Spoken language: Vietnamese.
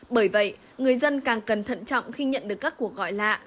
bởi vậy người dân càng cẩn thận trọng khi nhận được các cuộc gọi lạ